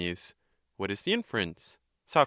What is the inference? Soc.